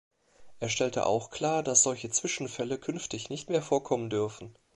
Er stellte auch klar, dass solche Zwischenfälle künftig nicht mehr vorkommen dürfen.